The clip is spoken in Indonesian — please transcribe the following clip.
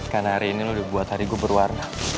karena hari ini lo udah buat hari gue berwarna